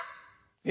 え？